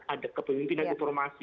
ada kepemimpinan informasi